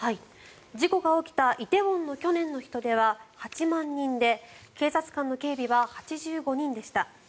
事故が起きた梨泰院の去年の人出は８万人で警察官の警備は８５人でした。